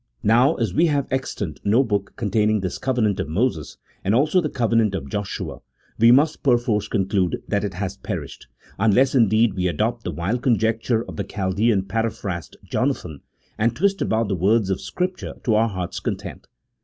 Now, as we have extant no book containing this covenant of Moses and also the covenant of Joshua, we must perforce conclude that it has perished, unless, indeed, we adopt the wild conjecture of the Chaldean paraphrast Jonathan, and twist about the words of Scripture to our heart's content.